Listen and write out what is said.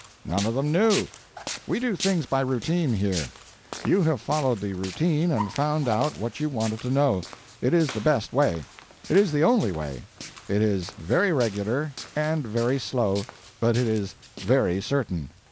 "None of them knew. We do things by routine here. You have followed the routine and found out what you wanted to know. It is the best way. It is the only way. It is very regular, and very slow, but it is very certain."